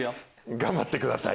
頑張ってください！